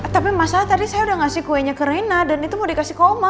tapi masalah tadi saya udah ngasih kuenya ke rena dan itu mau dikasih koma